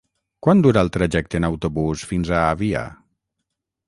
Quant dura el trajecte en autobús fins a Avià?